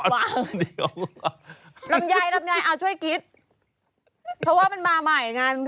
ไซส์ลำไย